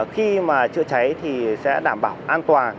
khi mà chữa cháy thì sẽ đảm bảo an toàn